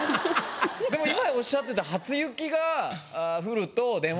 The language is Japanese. でも今おっしゃってた初雪が降ると電話をするって。